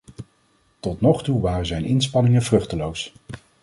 Tot nog toe waren zijn inspanningen vruchteloos.